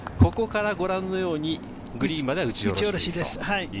ここからご覧のようにグリーンまでは打ち下ろしです。